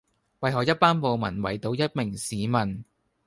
為何一班暴民圍堵一名市民